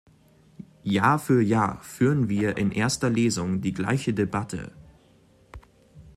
Jahr für Jahr führen wir in erster Lesung die gleiche Debatte.